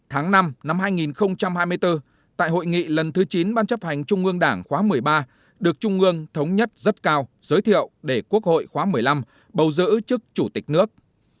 tháng năm năm hai nghìn hai mươi bốn tại hội nghị lần thứ chín ban chấp hành trung ương đảng khóa một mươi ba được trung ương thống nhất rất cao giới thiệu để quốc hội khóa một mươi năm bầu giữ chức chủ tịch nước